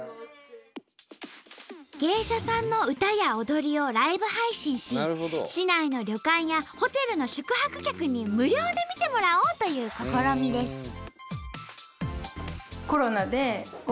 芸者さんの歌や踊りをライブ配信し市内の旅館やホテルの宿泊客に無料で見てもらおうという試みです。